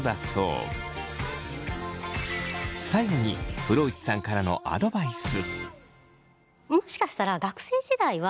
最後に風呂内さんからのアドバイス。